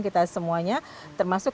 kita semuanya termasuk